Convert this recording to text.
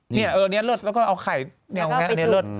เนี่ยเอออันนี้เลิศแล้วก็เอาไข่เนี่ยอันนี้เลิศ